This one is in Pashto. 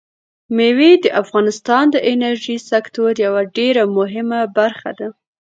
مېوې د افغانستان د انرژۍ سکتور یوه ډېره مهمه برخه ده.